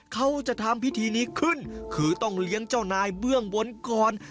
เขาจะทำพิธีนี้ขึ้นคือต้องเลี้ยงเจ้านายเบื้องบนก่อน